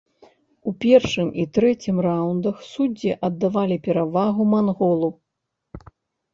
У першым і трэцім раўндах суддзі аддавалі перавагу манголу.